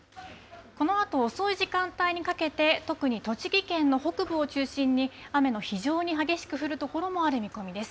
このあと遅い時間帯にかけて、特に栃木県の北部を中心に、雨の非常に激しく降る所もある見込みです。